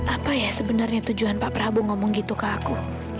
apa ya sebenarnya tujuan pak prabowo ngomong gitu ke aku